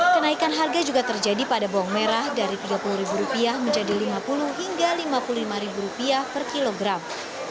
kenaikan harga juga terjadi pada bawang merah dari rp tiga puluh menjadi rp lima puluh hingga rp lima puluh lima per kilogram